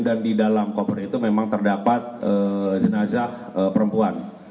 dan di dalam koper itu memang terdapat jenazah perempuan